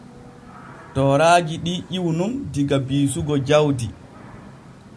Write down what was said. Tooraaji ɗi ƴiwu nun diga biisugo jawdi.